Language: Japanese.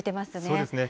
そうですね。